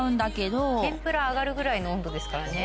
天ぷら揚がるぐらいの温度ですからね。